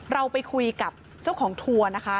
เราไปคุยกับเจ้าของทัวร์นะคะ